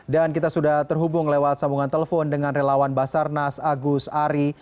dan kita sudah terhubung lewat sambungan telepon dengan relawan basarnas agus ari